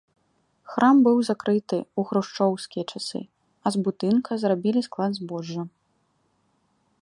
Храм быў закрыты ў хрушчоўскія часы, а з будынка зрабілі склад збожжа.